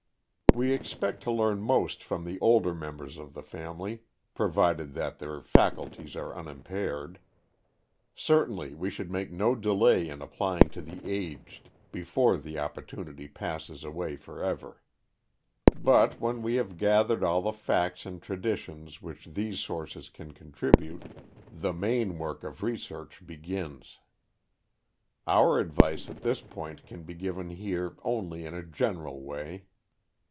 We expect to learn most from the older members of the family, provided that their faculties are unimpaired. Certainly we should make no delay in applying to the aged, before the opportunity passes away forever. But when we have gathered all the facts and traditions which these sources can contribute, the main work of research begins. Our advice at this point can be given here only in a general way.